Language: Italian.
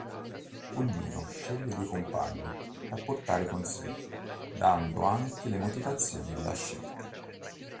Ognuno sceglie due compagni da portare con sé dando anche le motivazioni della scelta.